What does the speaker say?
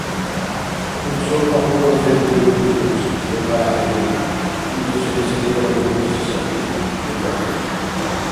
— Урцул кьакьурбазир дургули вирус, — дукаряхӀиб ил. — УмцӀусили се-дигара бургуси саби, бикӀаргу.